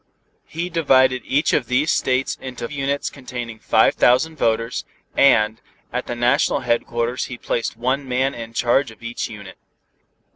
He divided each of these states into units containing five thousand voters, and, at the national headquarters, he placed one man in charge of each unit.